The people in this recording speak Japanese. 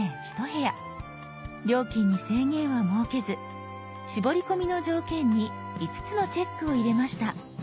料金に制限は設けず絞り込みの条件に５つのチェックを入れました。